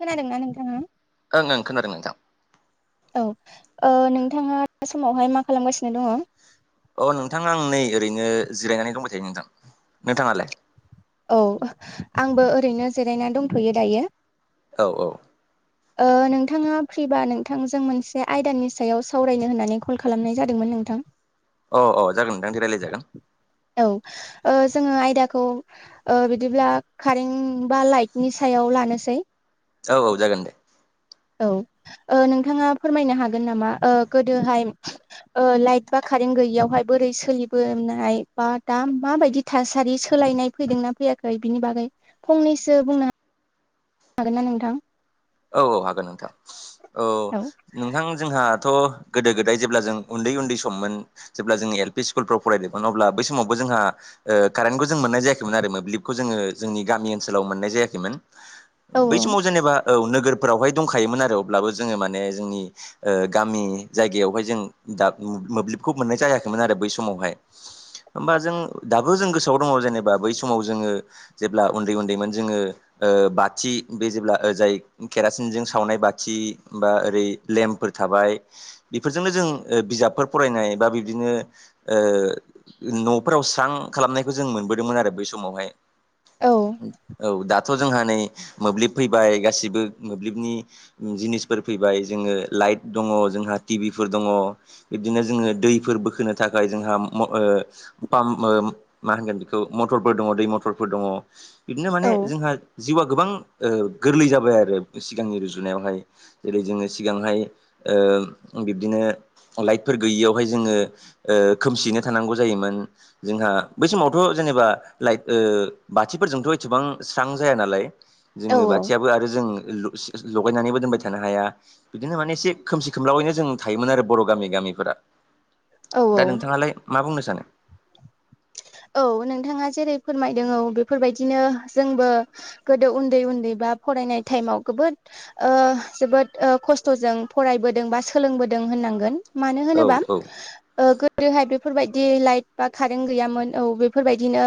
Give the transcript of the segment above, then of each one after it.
खोनादों नोंथांङा? ओं ओं खोनादों नोंथां। औ नोंथाङा दा समावहाय मा खालामगासिनो दङ? अ नोंथाङा आं नै ओरैनो जिरायनानै दंबाय थायो नोंथां, नोंथाङालाय? औ आंबो ओरैनो जिरायनानै दंथ'यो दायो। औ औ। नोंथाङा फ्रिबा नोंथांजों मोनसे आयदानि सायाव सावरायनो होननानै कल खालाम खालामनाय जादोंमोन नोंथां। अ औ जाग नोंथां रायज्लायजागोन। औ जोङो आयदाखौ बिदिब्ला कारेन्ट बा लाइटनि सायाव लानोसै। औ औ जागोन। औ नोंथाङा फोरमायनो हागोन नामा गोदोहाय लाइट बा कारेन्ट गैयियावहाय बोरै सोलिबोनाय बा दा माबायदि थासारि सोलायनाय फैदोंना फैयाखै बिनि बागै फंनैसो बुंनो ह हागोन ना नोंथां? औ औ हागोन नोंथां। औ नोंथां जोंहाथ' गोदो गोदाय जेब्ला जों उन्दै उन्दै सममोन। जेब्ला जोंङो एल पि स्कुलफ्राव फरायदोंमोन अब्ला बै समावबो जोंहा कारेन्टखौ जों मोननाय जायाखैमोन आरो मोब्लिबखौ जोङो जोंनि गामि ओनसोलाव मोननाय जायाखैमोन। औ बै समाव जेनेबा औ नोगोरफोरावहाय दंखायोमोन आरो अब्लाबो जोङो माने जोंनि गामि जायगायावहाय जों दा मोब्लिबखौ मोननाय जायाखैमोन आरो बै समावहाय। होबा जों दाबो जों गोसोआव दंङ जेनेबा बै समाव जोंङो जेब्ला उन्दै उन्दैमोन जोङो बाथि बे जेब्ला जाय केरासिनजों सावनाय बाथि बा ओरै लेम्पफोर थाबाय। बेफोरजोंनो जों बिजाबफोर फरायनाय बा बिब्दिनो ओ न'फोराव स्रां खालामनायखौ जों मोनबोदोंमोन आरो बै समावहाय। औ औ दाथ' जोंहा नै मोब्लिब फैबाय गासिबो मोब्लिबनि जिनिसफोर फैबाय जोङो लाइट दङ जोंहा टिभिफोर दङ। बिदिनो जोङो दैफोर बोखोनो थाखाय जोंहा ओ पाम्प मा होनगोन बेखौ? मथरफोर दङ दै मथरफोर दङ। बिदिनो औ माने जोंहा जिउआ गोबां गोरलै जाबाय आरो सिगांनि रुजुनायावहाय। जेरै जोङो सिगांहाय बिब्दिनो लाइटफोर गैयियावहाय जोङो खोमसियैनो थानांगौ जायोमोन। जोंहा बै समावथ' जेनेबा लाइट बाथिफोरजोंथ' एसेबां स्रां जाया नालाय। जोङो औ बाथियाबो आरो जों लगायनानैबो दोनबाय थानो हाया। बिदिनो माने एसे खोमसि खोमलाावैनो जों थायोमोन आरो बर' गामि गामिफोरा। औ दा नोंथांङालाय मा बुंनो सानो? औ नोंथाङा जेरै फोरमायदों औ बेफोरबायदिनो जोंबो गोदो उन्दै उन्दै बा फरायनाय टाइमाव गोबोद जोबोद खस्थ'जों फरायबोदों बा सोलोंबोदों होननांगोन। मानो औ होनोबा औ ओ गोदोहाय बेफोरबायदि लाइट बा कारेन्ट गैयामोन औ बेफोरबायदिनो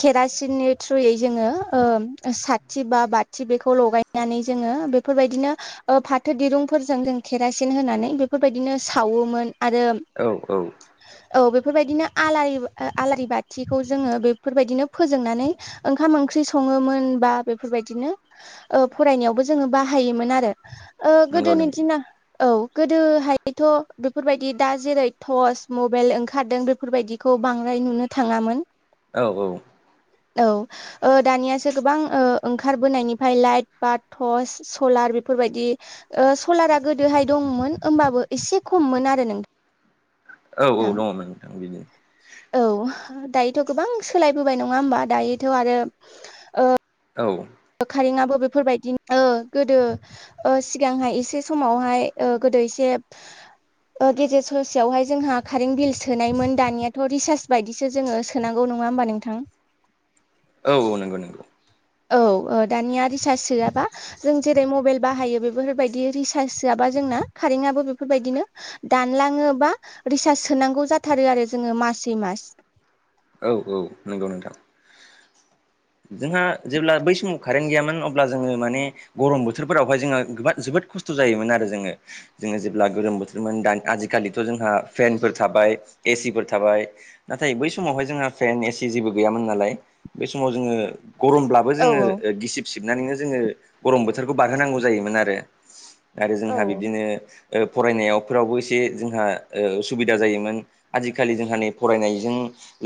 केरासिननि थ्रुयै जोंङो ओ साथि बा बाथि बेखौ लगाय फनानै जोङो बेफोरबायदिनो फाथो दिरुंफोरजों जों केेरासिन होनानै बेफोरबायदिनो सावोमोन, आरो औ औ। औ बेफोरबायदिनो आलारि आलारि बाथिखौ जोङो बेफोरबायदिनो फोजोंनानै ओंखाम ओंख्रि सङोमोन बा बेफोरबायदिनो फरायनायावबो जोङो बाहायोमोन आरो। नंगौ गोदोनि नंगौ दिना औ गोदोहायथ' बेफोरबायदि दा जेरै टर्च, मबाइल ओंखारदों बे बेफोरबायदिखौ बांद्राय नुनो थाङामोन। औ औ औ ओ दानियासो गोबां ओ ओंखारबोनायनिफ्राय लाइट बा टर्स सलार बेफोरबायदि ओ सलारा गोदोहाय दंमोन होमबाबो एसे खममोन आरो नों औ औ दङमोन नोंथां बिदिनो। औ दायोथ' गोबां सोलायबोबाय नङा होमबा दायोथ' आरो ओ औ कारेंआबो बेफोरबायदि ओ गोदो सिगांहाय एसे समावहाय ओ गोदो एसे ओ गेजेर ससेयावहाय जोंहा कारेन्ट बिल सोनायमोन दानियाथ' रिसार्ज बायदिसो जोंङो सोनांगौ नङा होमबा नोंथां। औ औ नंगौ नंगौ औ ओ दानिया रिसार्च सोआबा जों जेरै मबाइल बाहायो बेफोरबायदि रिसार्ज होआबा जोंना कारेन्टआबो बेफोरबायदिनो। दानलाङोबा रिसार्च सोनांगौ जाथारो आरो जोङो मासै मास। औ औ नंगौ नोंथां जोंहा जेब्ला बै समाव कारेन्ट गैयामोन अब्ला जोङो माने गरम बोथोरफोरावहाय जोङो गोबाद- जोबोद खस्थ' जायोमोन आरो जोङो। जोङो जेब्ला गोलोम बोथोरमोन दान आजिखालिथ' जोंहा फेनफोर थाबाय एसिफोर थाबाय। नाथाय बै समावहाय जोंहा फेन एसि जेबो गैयामोन नालाय बै समाव ज जोंङो गमब्लाबो औ जोङो औ ओ गिसिब सिबनानैनो जोङो गरम बोथोरखौ बारहोनांगौ जायोमोन आरो आरो औ जोंहा बिदिनो ओ फरायनायावफोरावबो एसे जोंहा ओ उसुबिदा जायोमोन। आजिखालि जोंहा नै फरायनायजों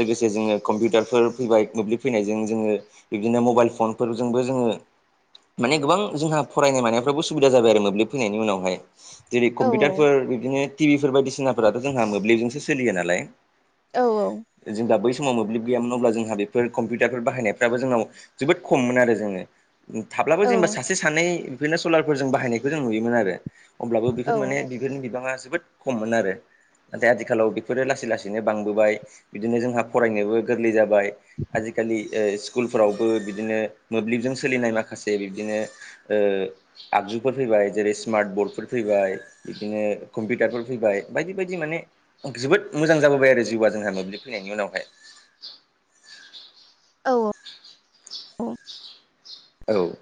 लोगोसे जोङो कम्पिउटारफोर फैबाय मोब्लिब फैनाय जों जोङो बिबदिनो मबाइल फन फोरजोंबो जोङो माने गोबां जोंहा फरायनाय मानायफ्राबो सुबिदा जाबाय आरो मोब्लिब फैनायनि उनावहाय। जेरै औ कम्पिउटारफोर बिदिनो टिभिफोर बायदिसिनाफोराथ' जोंहा मोब्लिबजोंसो सोलियो नालाय। औ औ जों दा बै समाव मोब्लि गैयामोन अब्ला जोंहा बेफोर कम्पिउ याफोर बाहायनायफ्राबो जोंनाव जोबोद खममोन आरो जोङो थाब्लाबो औ जेनेबा सासे सानै दिनो सलारफोर जों बाहायनायखौ जों नुयोमोन आरो अब्लाबो औ बेफोर माने बिनि बिबांङा जोबोद खममोन आरो। नाथाय आथिखालाव बेफोरो लासै लासैनो बांबोबाय बिदिनो जोंहा फरायनोबो गोरलै जाबाय। खालि ओ स्कुलफोरावबो बिदिनो मोब्लिबजों सोलिनाय माखासे बिदिनो ओ आगजुफोर फैबाय जेरै स्मार्ट बरडफोर फैबाय। बिदिनो कम्पिउटारफोर फैबाय बायदि बायदि माने जोबोद मोजां जाबोबाय आरो जिउआ जोंहा मोब्लिब फैनायनि उनावहाय। औ औ औ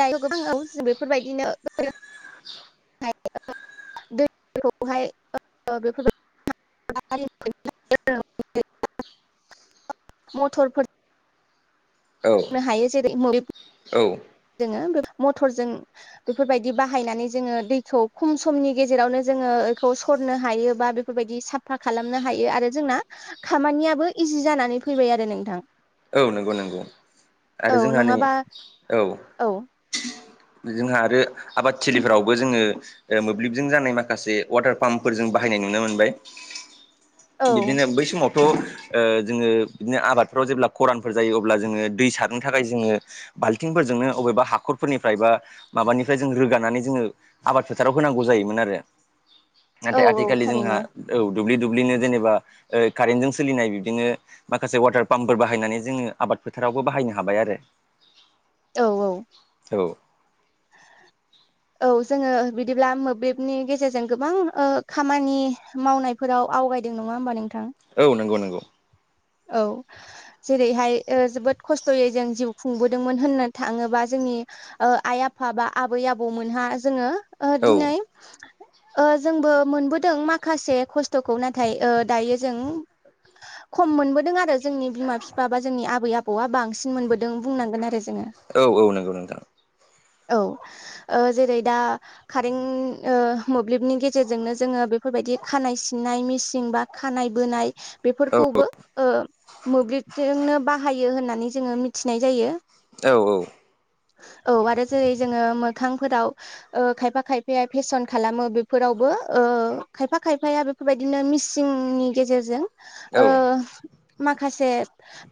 दायो गोबां बेफोरबायदिनो [unintelligible] [unintelligible] मटरफोर औ नो हायो जेरै [unintelligible] औ। जोङो बे मथरजों बेफोरबायदि बाहायनानै जोङो दैखौ खम समनि गेजेरावनो जोङो बेखौ सरनो हायोबा बे बेफोरबायदि साफा खालामनो हायो आरो जोंना खामानियाबो इजि जानानै फैबाय आरो नोंथां। औ नंगौ नंगौ औ आरो जोंहा नै नङाबा औ जोंहा आरो आबादथिलिफ्रावबो जोङो ओ मोब्लिबजों जानाय माखासे वाटार पाम्पफोरजों बाहायनाय नुनो मोनबाय। [inaudible] औ बिदिनो बै समावथ' ओ जोङो बिदिनो आबादफ्राव जेब्ला खरानफोर जायो अब्ला जोङो दै सारनो थाखाय जोङो बाल्थिंफोरजोंनो अबेबा हाखरफोरनिफ्राय बा माबानिफ्राय जों रोगानानै जोङो आबाद फोथाराव होनांगौ जायोमोन आरो औ नाथाय औ आथिखालि जोंहा थारैनो औ दुब्लि दुब्लिनो जेनेबा कारेन्ट जों सोलिनाय बिदिनो माखासे वाटार पाम्पफोर बा बाहायनानै जोङो आबाद फोथारावबो बाहायनो हाबाय आरो औ औ औ [inaudible] औ जोङो बिदिब्ला मोब्लिबनि गेजेरजों गोबां ओ खामानि मावनाय फोराव आवगायदों नङा होमबा नोंथां। औ नंगौ नंगौ औ जेरैहाय ओ जोबोद खस्थ'यै जों जिउ खुंबोदोंमोन होननो थाङोबा जोंनि ओ आइ आफा बा आबै आबौमोनहा जोङो ओ औ दिनै ओ जोंबो मोनबोदों माखासे खस्थ'खौ नाथाय ओ दायो जों खम मोनबोदों आरो जोंनि बिमा बिफा बा जोंनि आबै आबौआ बांसिन मोनबोद दों बुंनांगोन आरो जोङो औ औ नंगौ नोंथां औ ओ जेरै दा कारेन्ट ओ मोब्लिबनि गेजेरजोंनो जोङो बेफोरबायदि खानाय सिननाय मेचिन बा खानाय बोनाय औ बेफोरखौबो ओ मोब्लिबजोंनो बाहायो होननानै जोङो मिथिनाय जायो। औ औ। औ आरो जेरै जोङो मोखांफोराव ओ खायफा खायफाया फेसन खालामो बेफोरावबो ओ खायफा खायफाया बे बेबायदिनो मिसिंनि गेजेरजों औ ओ माखासे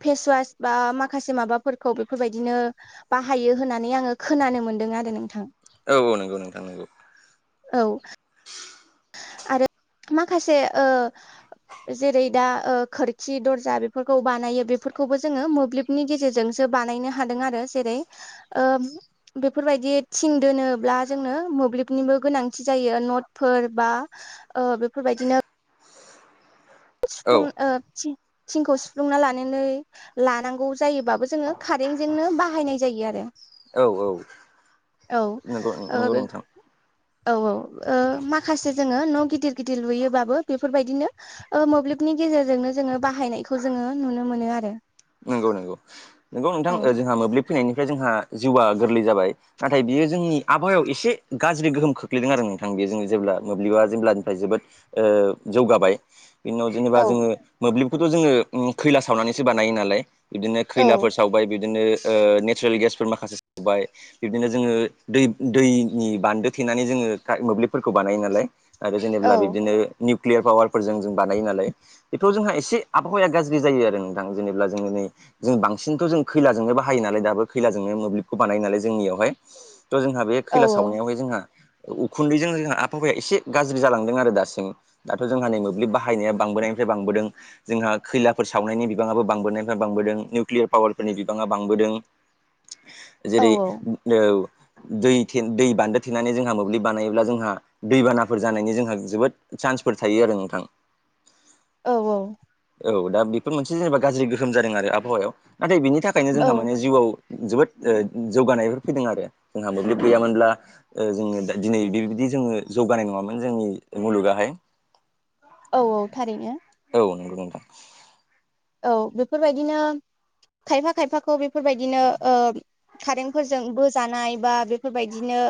फेसवास बा माखासे माबाफोरखौ बेफोरबायदिनो बाहायो होननानै आङो खोनानो मोनदों आरो नोंथां औ औ नंगौ नोंथां नंगौ। औ आरो माखासे ओ जेरै दा ओ खोरखि, दरजा बेफोरखौ बानायो बेफोरखौबो जोङो मोब्लिब नि गेजेरजोंसो बानायनो हादों आरो जेरै ओ बेफोरबायदि थिं दोनोब्ला जोंनो मोब्लिबनिबो गोनांथि जायो नटफोर बा ओ बेफोरबायदिनो औ सुफ्लं ओ थि-थिंखौ सुफ्लुंना लानानै लानांगौ जायोबाबो जोङो कारेन्टजोंनो बाहायनाय जायो आरो। औ औ औ नंगौ ओ नंगौ बो नोंथां औ औ ओ माखासे जोङो न' गिदिर गिदिर लुयोबाबो बेफोरबायदिनो ओ मोब्लिबनि गेजेरजोंनो जोङो बाहायनायखौ जोङो नुनो मोनोआरो नंगौ नंगौ नंगौ नोंथां ओ जोंहा मोब्लिब फैनायनिफ्राय जोंहा जिउआ गोरलै जाबाय। नाथाय बियो जोंनि आबहायाव एसे गाज्रि गोहोम खोख्लैदों आरो नोंथां बेयो जोंनि जेब्ला मोब्लिबा जेब्लानिफ्राय जोबोद ओ जौगाबाय। बिनि उनाव जेनेबा औ जोङो मोब्लिबखौथ' जोङो ओ खैला सावनानैसो बानायो नालाय बिदिनो खैला औ सावबाय बिदिनो ओ नेचारेल गेसफोर माखासे सावबाय बिब्दिनो जोङो दै-दैनि बान्दो थेनानै जोङो मोब्लिबफोरखौ बानायो नालाय। आरो औ जेनेब्ला बिब्दिनो निउकलियार पावारफोरजों जों बानायो नालाय बेफोराव जोंहा एसे आबहावाया गाज्रि जायो आरो नोंथां जेनेबा जों नै जों बां बांसिनथ' जों खैलाजोंनो बाहायो नालाय दाबो खैलाजोंनो मोब्लिबखौ बानायो नालाय जोंनियावहाय थ' जोंहा बे खैला औ सावनायावहाय जोंहा उखुन्दैजों जोंहा आबहावाया एसे गाज्रि जालांदों आरो दासिम दाथ' जोंहा नै मोब्लिब बाहायनाया बांबोनायनिफ्राय बांबोदों। जोंहा खैलाफोर सावनायनि बिबाङाबो बांबोनायनिफ्राय बांबोदों। निउ क्लियार पावारफोरनि बिबाङा बांबोदों औ जेरै ओ दै थे दै बान्दो थेनानै जोंहा मोब्लिब बानायोब्ला जोंहा दैबानाफोर जानायनि जोंहा जोबोद चान्सफोर थायो आरो नोंथां। औ औ। औ दा बेफोर मोनसे जेनेबा गाज्रि गोहोम जादों आरो आबहावायाव। नाथाय बेनि थाखायनो औ जोंहा माने जिउआव जोबोद ओ जौगानायफोर फैदों आरो जोंहा मोब्लिब गैयामोनब्ला ओ जोङो दा दिनै बिबदि जोङो जौगानाय नङामोन जोंनि मुलुगाहाय औ औ थारैनो। औ नंगौ नोंथां। औ बेफोरबायदिनो खायफा खायफाखौ बेफोरबायदिनो ओ कारेन्टफोरजों बोजानाय बा बेफोरबायदिनो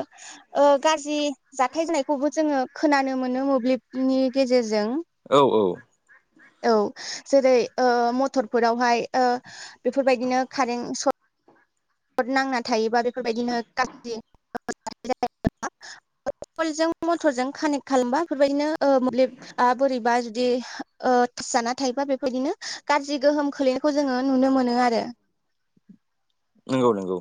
ओ गाज्रि जाथाय जानायखौबो जोङो खोनानो मोनो मोब्लिबनि गेजेरजों। औ औ। औ। जेरै ओ मथरफोरावहाय ओ बेफोरबायदिनो कारेन्ट सट सट नांना थायोबा बेफोरबायदिनो गाज्रि [unintelligible] जों मटरजों कानेक्ट खालामबा बेफोरबायदिनो ओ मोब्लिबा बोरैबा जुदि ओ [unintelligible] थायोबा बेबायदिनो गाज्रि गोहोम खोलैनायखौ जोङो नुनो मोनो आरो। नंगौ नंगौ।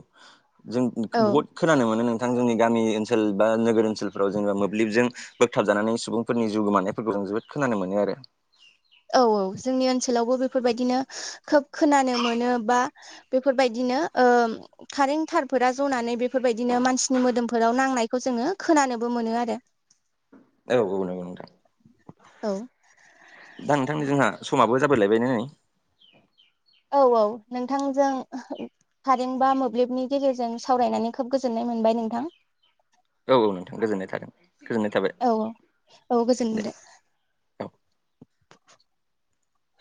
जों औ बहुद खोनानो मोनो नोंथां जोंनि गामि ओनसोल बा नोगोर ओनसोलफ्राव जोङो मोब्लिबजों बोगथाबजानानै सुबुंफोरनि जिउ गोमानायफोरखौ जों जोबोद खोनानो मोनो आरो। औ औ जोंनि ओनसोलावबो बेफोरबायदिनो खोब खोनानो मोनो बा बेफोरबायदिनो ओ कारेन्ट थारफोरा जनानै बेफोरबायदिनो मानसिनि मोदोमफोराव नांनायखौ जोङो खोनानोबो मोनो आरो। [inaudible] औ औ नंगौ नोंथां। औ। दा नोंथां नै जोंहा समाबो जाबायलायबायना नै। औ औ नोंथांजों खारेन्ट बा मोब्लिबनि गेजेरजों सावरायनानै खोब गोजोननाय मोनबाय नोंथां। औ औ नोंथां गोजोननाय थादों, गोजोननाय थाबाय। औ औ, औ गोजोन दे। औ